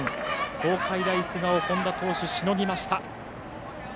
東海大菅生、本田投手しのぎました。